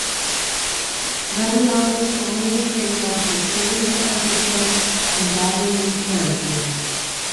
Meliodas only appears after a series of episodes involving these characters.